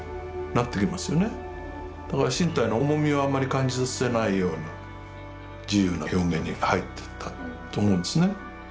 だから身体の重みをあんまり感じさせないような自由な表現に入ってったと思うんですね。